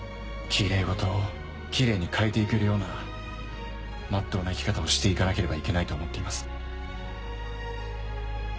きれい事をきれいに変えて行けるようなまっとうな生き方をして行かなければいけないと思っています。